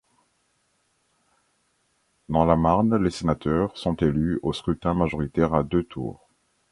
Dans la Marne, les sénateurs sont élus au scrutin majoritaire à deux tours.